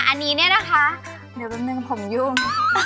อันนี้เนี่ยนะคะเดี๋ยวแป๊บนึงผมยุ่ง